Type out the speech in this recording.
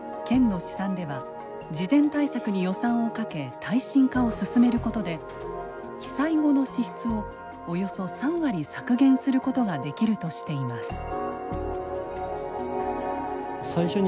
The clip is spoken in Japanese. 県の試算では事前対策に予算をかけ耐震化を進めることで被災後の支出をおよそ３割削減することができるとしています。